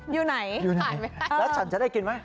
อยู่ไหนอยู่ไหนแล้วฉันจะได้กินไหม